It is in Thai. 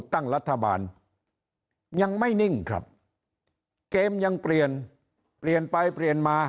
ตั้งรัฐบาลยังไม่นิ่งครับเกมยังเปลี่ยนเปลี่ยนไปเปลี่ยนมา